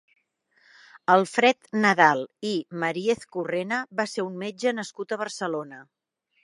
Alfred Nadal i Mariezcurrena va ser un metge nascut a Barcelona.